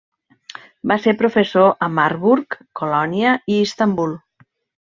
Va ser professor a Marburg, Colònia i Istanbul.